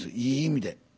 いい意味で。